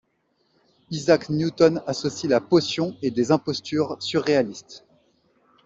Isaac Newton associe la potion et des impostures surréalistes.